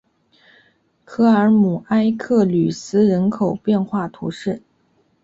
科尔姆埃克吕斯人口变化图示